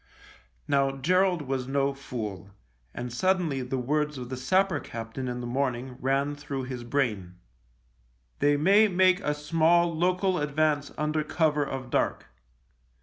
Now Gerald was no fool, and suddenly the words of the sapper captain in the morning rang through his brain. " They may make a small local advance under cover of dark."